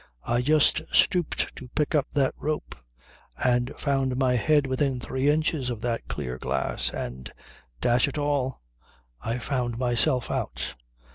I just stooped to pick up that rope and found my head within three inches of that clear glass, and dash it all! I found myself out.